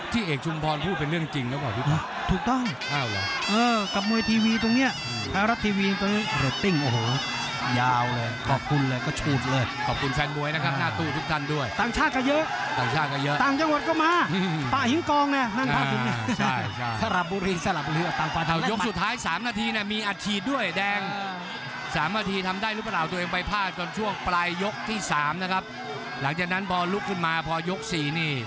ที่สามนะครับหลังจากนั้นพอลุกขึ้นมาพอยกสี่นี่